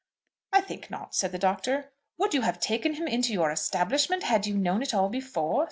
"I think not," said the Doctor. "Would you have taken him into your establishment had you known it all before?